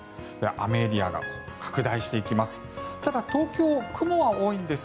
雨エリアが拡大していきます。